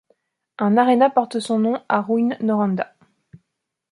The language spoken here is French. Un aréna porte son nom à Rouyn-Noranda.